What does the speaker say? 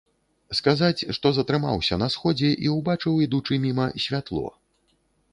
Сказаць, што затрымаўся на сходзе і ўбачыў, ідучы міма, святло.